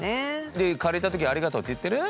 で借りた時ありがとうって言ってる？